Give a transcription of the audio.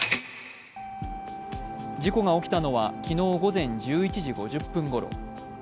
事故が起きたのは昨日午前１１時５０分ごろ。